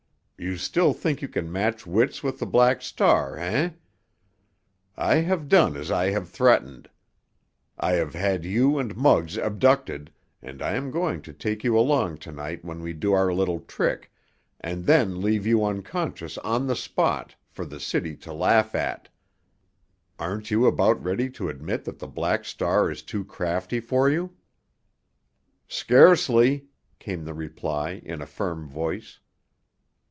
You still think you can match wits with the Black Star, eh? I have done as I threatened. I have had you and Muggs abducted, and I am going to take you along to night when we do our little trick, and then leave you unconscious on the spot for the city to laugh at. Aren't you about ready to admit that the Black Star is too crafty for you?" "Scarcely," came the reply in a firm voice.